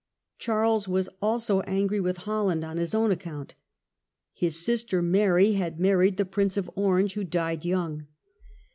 Charles was also angry with Holland on his own account His sister Mary had married the Prince of Orange, who died young.